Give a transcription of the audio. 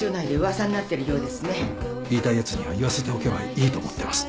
言いたいやつには言わせておけばいいと思ってます。